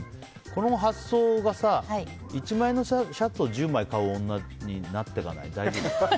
この発想が１万円のシャツを１０枚買う女になっていかない？